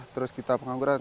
terus kita pengangguran